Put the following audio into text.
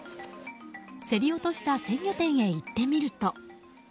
競り落とした鮮魚店へ行ってみると。